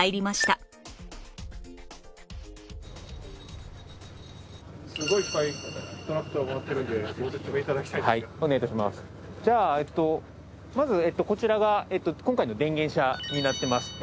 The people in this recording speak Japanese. まずこちらが今回の電源車になってます。